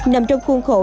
nằm trong khuôn khổ